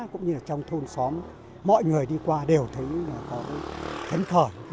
cũng như trong thôn xóm mọi người đi qua đều thấy thấn khởi